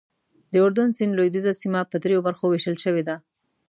د اردن سیند لوېدیځه سیمه په دریو برخو ویشل شوې ده.